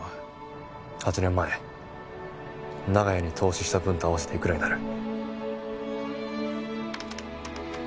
８年前長屋に投資した分と合わせていくらになる？